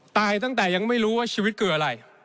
ตั้งแต่ยังไม่รู้ว่าชีวิตคืออะไร